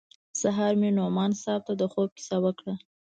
سهار مې نعماني صاحب ته د خوب کيسه وکړه.